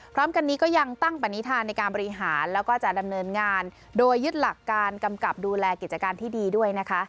พร้อมกันนี้ก็ยังตั้งปณิธานในการบริหารแล้วก็จะดำเนินงานโดยยึดหลักการกำกับดูแลกิจการที่ดีด้วยนะคะ